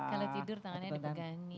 kalau tidur tangannya dipegangin